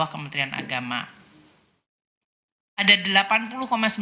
kementerian agama juga untuk gaji pengajar pip kip dan tpp